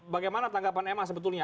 bagaimana tanggapan ma sebetulnya